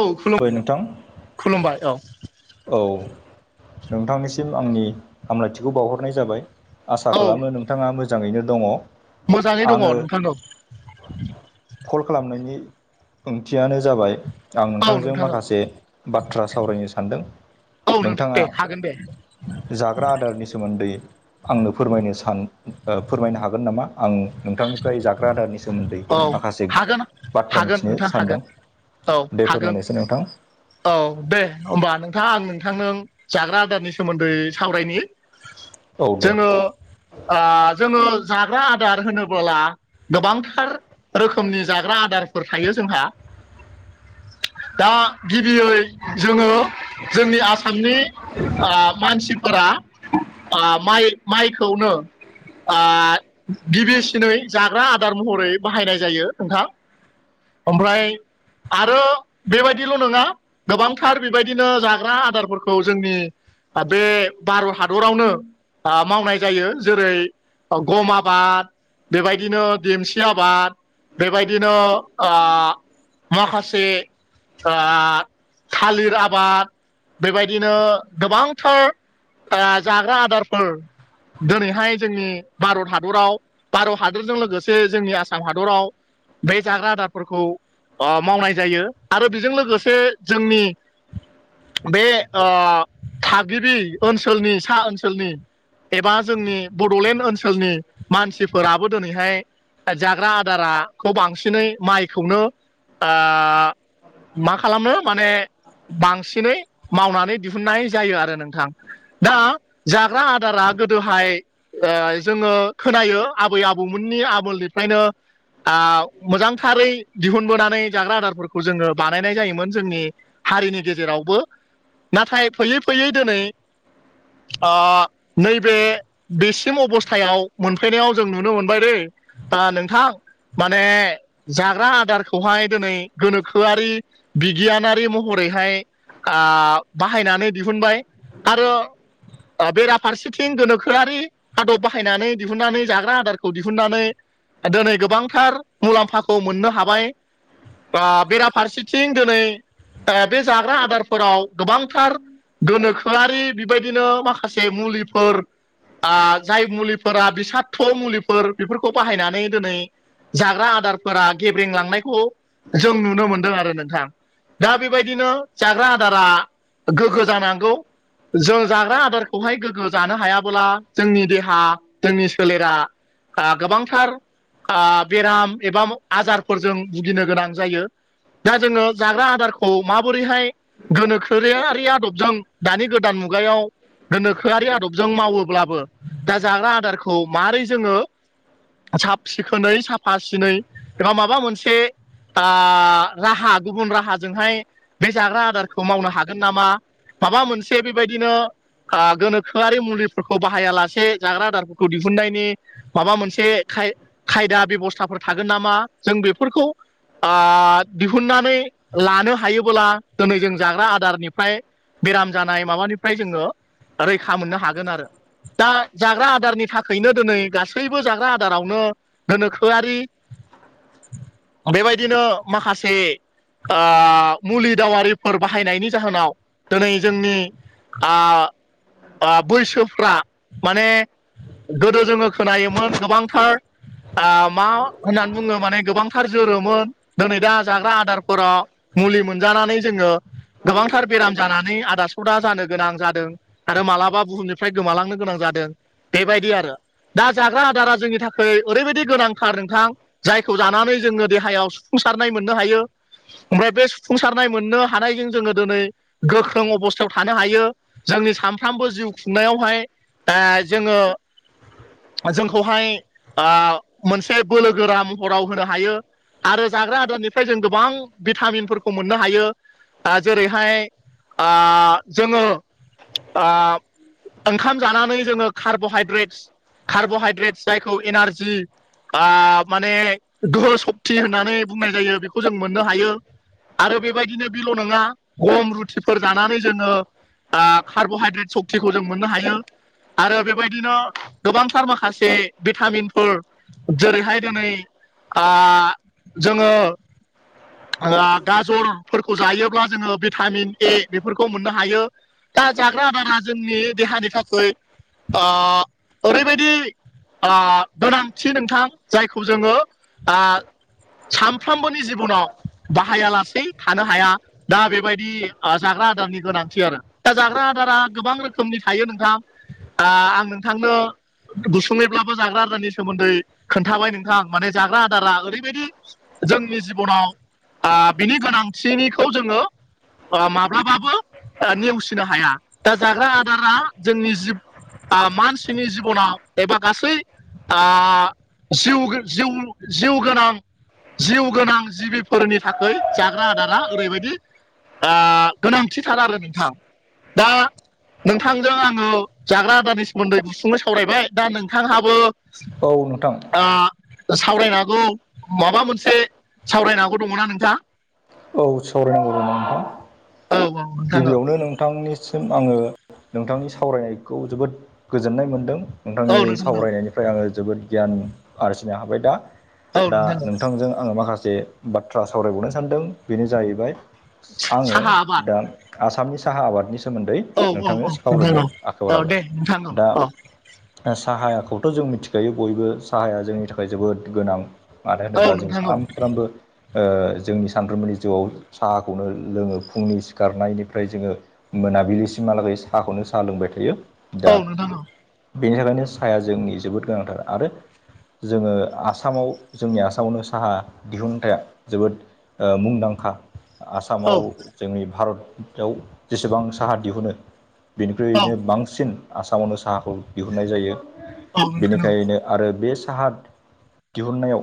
औ बाय खुलुम नोंथां खुलुमबाय औ औ नोंथांनिसिम आंनि हामलायथिखौ बावहरनाय जाबाय आसा औ खालामो नोंथाङा मोजाङैनो दङ मोजाङै दङ आङो नोंथां‌ औ कल खालामनायनि ओंथियानो जाबाय आं औ नोंथांजों नोंथां औ माखासे बाथ्रा सावरायनो सानदों औ नोंथां नोंथाङा दे हागोन दे जाग्रा आदारनि सोमोन्दै आंनो फोरमायनो सान ओ फोरमायनो हागोन नामा आं नोंथांनिफ्राय जाग्रा आदारनि सो सोमोन्दै औ माखासे हागोन बाथ्रा हागोन मिथिनो नोंथां सानदों हागोन औ दे हागोन फोरमायनायसै नोंथां औ दे होमबा नोंथां आं नोंथांजों जाग्रा आदारनि सोमोन्दै सावरायनि औ [inaudible] दे जोङो आ जोङो जाग्रा आदार होनोबोला गोबांथार रोखोमनि जाग्रा आदारफोर थायो जोंहा दा गिबियै जोङो जोंनि आसामनि ख मानसिफोरा आ माइ माइखौनो आ गिबिसिनै जाग्रा आदार महरै बाहायनाय जायो नोंथां ओमफ्राय आरो बेबायदिल नङा गोबांथार बेबायदिनो जाग्रा आदारफोरखौ जोंनि बे भारत हादरावनो आ मावनाय जायो जेरै गम आबाद बेबायदिनो देमसि आबाद बेबायदिनो आ माखासे ख थालिर आबाद बेबायदिनो गोबांथार आ जाग्रा आदारफोर दिनैहाय जोंनि भारत हादराव भारत हादरजों लोगोसे जोंनि आसाम हादराव बे जाग्रा आदारफोरखौ अ मावनाय जायो आरो बेजों लोगोसे जोंनि बे ओ थागिबि ओनसोलनि सा ओनसोलनि एबा जोंनि बडलेण्ड ओनसोलनि मानसिफोराबो दिनैहाय जाग्रा आदाराखौ बांसिनै माइखौनो ओ मा खालामनो माने बांसिनै मावनानै दिहुननाय जायो आरो नोंथां दा जाग्रा आदारा गोदोहाय ओ जोङो खोनायो आबै आबौमोननि आमोलनिफ्रायनो आ मोजांथारै दिहुनबोनानै जाग्रा आदारफोरखौ जोङो बानायनाय जायोमोन जोंनि हारिनि गेजेरावबो नाथाय फैयै फैयै दिनै अ नैबे बेसिम अबस्थायाव मोनफैनायाव जों नुनो मोनबाय दैै दा नोंथां माने जाग्रा आदारखौहाय दिनै गोनोखोआरि बिगियानारि महरैहाय ओ बाहायनानै दिहुनबाय आरो ओ बेराफारसेथिं गोनोखोआरि आदब बाहायनानै दिहुनन्नानै जाग्रा आदारखौ दिहुननानै दिनै गोबांथार मुलाम्फाखौ मोननो हाबाय बा बेराफारसेथिं दिनै बे जाग्रा आदारफोराव गोबांथार गोनोखोआरि बेबायदिनो माखासे मुलिफोर ओ जाय मुलिफोरा बिसादथ' मुलिफोर बेफोरखौ बाहायनानै दिनै जाग्रा आदारफोरा गेब्रेंलांनायखौ जों नुनो मोनदों आरो नोंथां। दा बेबायदिनो जाग्रा आदारा गोग्गो जानांगौ। जों जाग्रा आदारखौहाय गोग्गो जानो हायाबोला जोंनि देहा जोंनि सोलेरा आ गोबांथार बेराम एबा आजारफोरजों भुगिनो गोनां जायो। दा जोङो जाग्रा आदारखौ माबोरैहाय गोनोखोयारि आदबजों दानि गोदान मुगायाव गोनोखोआरि आदबजों मावोब्लाबो दा जाग्रा आदारखौ मारै जोङो साब सिखोनै साफा सिनै एबा माबा मोनसे ओ राहा गुबुन राहाजोंहाय बे जाग्रा आदारखौ मावनो हागोन नामा? माबा मोनसे बेबायदिनो ओ गोनोखोआरि मुलिफोरखौ बाहायालासे जाग्रा आदारफोरखौ दिहुननायनि माबा मोनसे जे खाय खायदा बेब'स्थाफोर थागोन नामा जों बेफोरखौ ओ दिहुननानै लानो हायोबोला दिनै जों जाग्रा आदारनिफ्राय बेराम जानाय माबानिफ्राय जोङो रैखा मोननो हागोन आरो दा जाग्रा आदारनि थाखायनो दिनै गासैबो जाग्रा आदारावनो गोनोखोआरि बेबायदिनो माखासे ओ मुलि दावारिफोर बाहायनायनि जाहोनाव दिनै जोंनि आ ओ बैसोफ्रा माने गोदो जोङो खोनायोमोन गोबांथार ओ मा होननानै बुङो माने गोबांथार जोरोमोन दिनै दा जाग्रा आदारफोराव मुलि मोनजानानै जोङो गोबांथार बेराम जानानै आदास दा जानो गोनां जादों आरो मालाबा बुहुमनिफ्राय गोमालांनो गोनां जादों। बेबायदि आरो दा जाग्रा आदारा जोंनि थाखाय ओरैबायदि गोनांथार नोंथां जायखौ जानानै जोङो देहायाव सुफुंसारनाय मोननो हायो। ओमफ्राय बे सुफुंसारनाय मोननो हानायजों जोङो दिनै गोख्रों अबस्थायाव थानो हायो। जोंनि सानफ्रोमबो जिउ खुंनायावहाय ओ जोङो जोंखौहाय ओ मोनसे बोलो गोरा महराव होनो हायो। आरो जाग्रा आदारनिफ्राय जों गोबां भिटामिनफोरखौ मोननो हायो ओ जेरैहाय ओ जोङो ओ ओंखाम जानानै जोङो कार्ब'हाइद्रेटस कार्ब'हाइद्रेटस जायखौ एनारजि ओ माने गोहो सक्ति होननानै बुंनाय जायो बेखौ जों मोननो हायो। आरो बेबायदिनो बेल' नङा गम रुटिफोर जानानै जोङो ओ कार्ब'हाइद्रेट सक्तिखौ जों मोननो हायो। आरो बेबायदिनो गोबांथार माखासे भिटामिनफोर जेरैहाय दिनै ओ जोङो ओ गाजरफोरखौ जायोब्ला जोङो भिटामिन ए बेफोरखौ मोननो हायो। दा जाग्रा आदारा जोंनि देहानि थाखाय ओ ओरैबायदि गोनांथि नोंथां जायखौ जोङो सानफ्रोमबोनि जिबनाव बाहायालासे थानो हाया। दा बेबायदि जाग्रा आदारनि गोनांथि आरो दा जाग्रा आदारा गोबां रोखोमनि थायो नोंथां। आं नोंथांनो गुसुङैब्लाबो जाग्रा आदारनि सोमोन्दै खोन्थाबाय नोंथां माने जाग्रा आदारा ओरैबायदि जोंनि जिबनाव बिनि गोनांथिनिखौ जोङो माब्लाबाबो नेवसिनो हाया दा जाग्रा आदारा जोंनि जि मानसिनि जिबनाव एबा गासै ओ जिउ जिउ जिउ गोनां जिउ गोनां जिबिफोरनि थाखाय जाग्रा आदारा ओरैबायदि ओ गोनांथिथार आरो नोंथां। दा नोंथांजों आङो जाग्रा आदारनि सोमोन्दै गुसुंनो सावरायबाय दा नोंथांहा बो औ नोंथां ओ सावरायनांगौ माबा मोनसे सावरायनांगौ दङना नोंथा औ सौरेन बर' नोंथां औ औ नोंथां औ गिबियावनो नोंथांनि सिम आङो नोंथांनि सावरायनायखौ जोबोद गोजोननाय मोनदों औ नोंथांनि नोंथां औ सावरायनायनि फ्राय आङो जोबोद गियान आरजिनो हाबाय दा औ दा नोंथां औ नोंथांजों आङो माखासे बाथ्रा सावरायबावनो सानदों बेनो जाहैबाय आङो साहा आबाद आसामनि साहा आबादनि सोमोन्दै औ औ औ नोंथांनो नोंथां सावरायनो औ आखायाव औ लाबाय दे नोंथां औ औ दा साहायाखौथ' जों मिथिखायो बयबो साहाया जोंनि थाखाय जोबोद गोनां मानो औ होनोब्ला जों नोंथां औ सानफ्रोमबो जोंनि सानफ्रोमबोनि जिउआव साहाखौनो लोङो फुंनि गारनायनिफ्राय जोङो मोनाबिलिसिमहालागै साहाखौनो साहा लोंबाय थायो। दा औ नोंथां औ बेनि थाखायनो साया जोंनि जोबोद गोनांथार आरो जोङो आसामाव जोंनि आसामावनो साहा दिहुनथाया जोबोद ओ मुंदांखा। औ आसामाव जोंनि भारताव जेसेबां साहा दिहुनो औ बेनिख्रुयनो बांसिन आसामावनो साहाखौ दिहुननाय जायो नोंथां औ नोंथां औ बेनिखायनो आरो बे साहा दिहुननायाव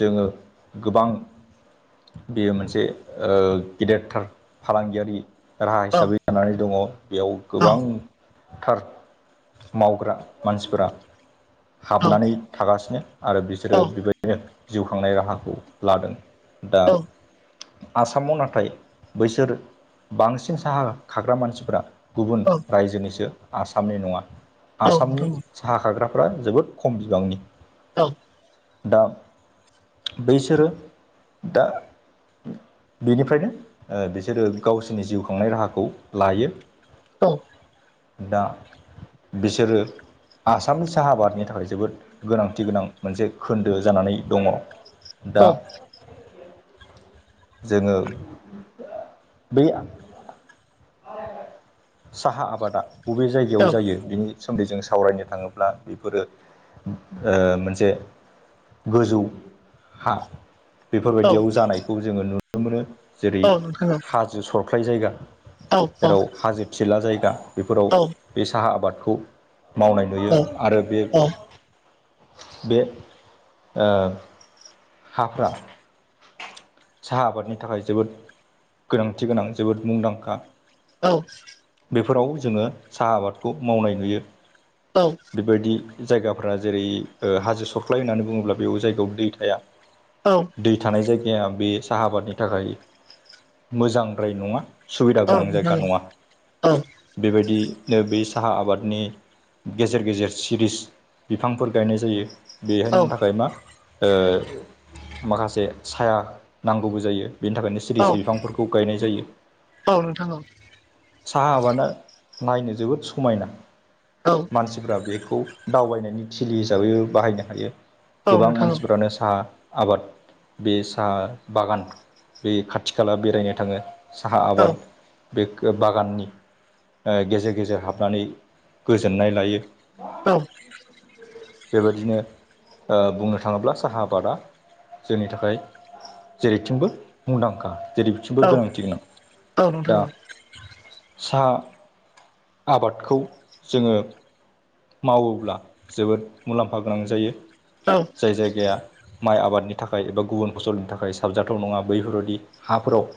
जोङो गोबां बेयो मोनसे गेदेरथार फालांगियारि राहा औ नोंथां औ हिसाबै जानानै दङ बेयाव गोबां थार मावग्रा मानसिफोरा हाबनानै थागासिनो आरो बिसोरो बेबायदिनो जिउ खांनाय राहाखौ लादों दा आसामाव नाथाय बैसोर बांसिन साहा खाग्रा मानसिफोरा गुबुन रायजोनिसो आसामनि नङा आसामनि साहा खाग्राफ्रा जोबोद खम बिबांनि औ दा बैसोरो दा बेनिफ्रायनो बिसोरो गावसोरनि जिउ खांनाय राहाखौ लायो औ दा बिसोरो आसामनि साहा आबादनि थाखाय जोबोद गोनांथि गोनां मोनसे खोन्दो जानानै दङ दा जोङो बे साहा आबादा बबे जायगायाव जायो बिनि सोमोन्दै जों सावरायनो थाङोब्ला बेफोरो मोनसे गोजौ हा बेफोरबायदियाव जानायखौ जोङो नुनो मोनो जेरै हाजो सरख्लाय जायगा जेराव हाजो थिला जायगा बेफोराव बे साहा आबादखौ मावनाय नुयो आरो बे बे ओ हाफ्रा साहा आबादनि थाखाय जोबोद गोनांथि गोनां जोबोद मुंदांखा औ बेफोराव जोङो साहा आबादखौ मावनाय नुयो औ बेबायदि जायगाफोरा जेरै ओ हाजो सरख्लाय होननानै बुङोब्ला बेयाव जायगायाव दै थाया औ दै थानाय जायगाया बे साहा आबादनि थाखाय मोजांद्राय नङा सुबिदा गोनां नोंथां जायगा नङा औ बेबायदिनो बे साहा आबादनि गेजेर गेजेर सिरिस बिफांफोर गायनाय जायो बे औ होननो थाखाय मा ओ माखासे साया नांगौबो जायो बेनि थाखायनो औ सिरिस बिफांफोरखौ गायनाय जायो। औ नोंथां साहा आबादा नायनो जोबोद समायना औ मानसिफ्रा बेखौ दावबायनायनि थिलि हिसाबै बाहायनो हायो औ गोबां नोंथां मानसिफ्रानो साहा आबाद बे साहा बागान बे खाथि खाला बेरायनो थाङो साहा औ आबाद बे बागाननि ओ गेजेर गेजेर हाबनानै गोजोननाय लायो। औ बेबायदिनो ओ बुंनो थाङोब्ला साहा आबादा जोंनि थाखाय जेरैथिंबो मुंदांखा जेरै औ बिथिंबो गोनांथि गोनां औ नोंथां औ नोंथां दा सा आबादखौ जोङो मावोब्ला जोबोद मुलाम्फा गोनां जायो औ जाय जायगाया माइ आबादनि थाखाय एबा गुबुन फसलनि थाखाय साबजाथाव नङा बैफोरदि हाफोराव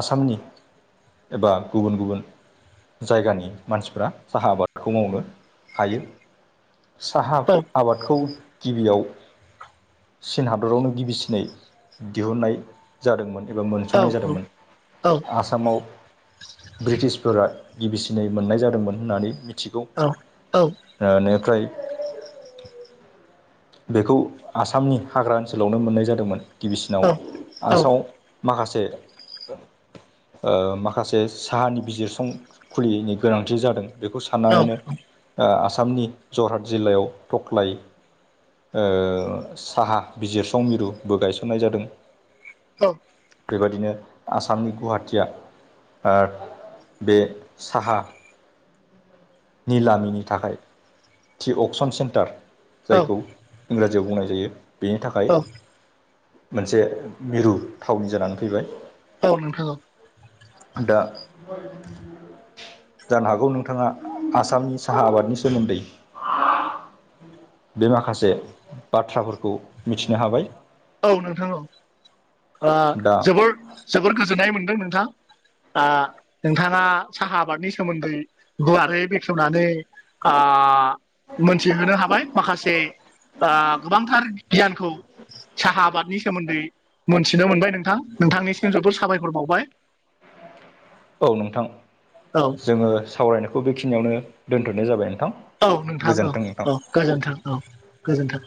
आसामनि एबा गुबुन गुबुन जायगानि मानसिफ्रा साहा आबादखौ मावनो हायो साहा आबादखौ गिबियाव चीन हादरावनो गिबिसिनै दिहुननाय जादोंमोन एबा मोनसंनाय जादोंमोन आसामाव ब्रिटिसफोरा गिबिसिनै मोननाय जादोंमोन होननानै मिथिगौ औ औ ओ [unintelligible] फ्राय बेखौ आसामनि हाग्रा ओनसोलावनो मोननाय जादोंमोन। गिबिसिनाव आसामाव माखासे ओ माखासे साहानि बिजिरसं खुलियैनि गोनांथि जादों बेखौ औ साननानैनो नोंथां ओ आसामनि जरहाट जिल्लायाव थख्लाय ओ साहा बिजिरसं मिरुबो गायसननाय जादों औ बेबायदिनो आसामनि गुवाहाटि आ ओ बे साहा निलामिनि थाखाय टि अपसन सेन्टार औ जायखौ इंराजियाव बुंनाय जायो। बेनि ओ थाखाय मोनसे मिरु थावनि जानानै फैबाय। औ नोंथां औ दा जानो हागौ नोंथाङा आसामनि साहा आबादनि सोमोन्दै बे माखासे बाथ्राफोरखौ मिथिनो हाबाय औ नोंथां औ ओ दा जोबोर जोबोर गोजोननाय मोनदों नोंथां दा नोंथाङा साहा आबादनि सोमोन्दै गुवारै बेखेवनानै आ मोनथिहोनो आ हाबाय माखासे ओ गोबांथार गियानखौ साहा आबादनि सोमोन्दै मोनथिनो मोनबाय नोंथां नोंथांनिसिम जोबोद साबायखर बावबाय [unintelligible] औ नोंथां औ जोङो सावरायनायखौ बेखिनियावनो दोनथ'नाय जाबाय नोंथां औ नोंथां औ गोजोन्थों नोंथां औ गोजोन्थों औ गोजोन्थों